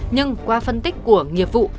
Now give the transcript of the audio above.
nhưng qua phân tích của nghiệp vụ